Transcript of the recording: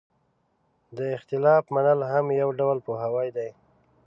د اختلاف منل هم یو ډول پوهاوی دی.